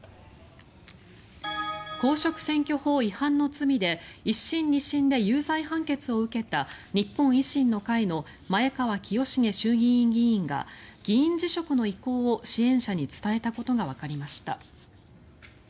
公職選挙法違反の罪で１審、２審で有罪判決を受けた日本維新の会の前川清成衆議院議員が議員辞職の意向を支援者に伝えたことがわかりました。